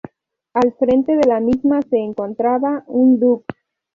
Al frente de la misma se encontraba un "dux".